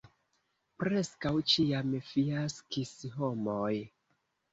Preskaŭ ĉiam fiaskis homoj.